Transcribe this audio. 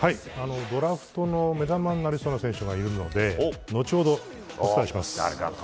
ドラフトの目玉になりそうな選手がいるので後ほどお伝えします。